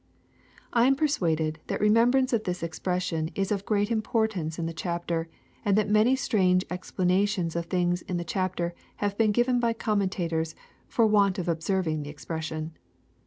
I am persuaded that remembrance of this expression is of great importance in the chapter, and that many strange expla nations of things in the chapter have been given by commenta tors, tor want of observing the expression.